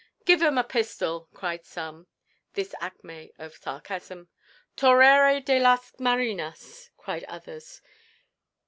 "Give him a pistol," cried some the acmé of sarcasm "Torero de las marinas," cried others.